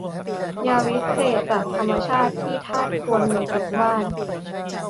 ยาวิเศษจากธรรมชาติที่ทาสควรมีติดบ้าน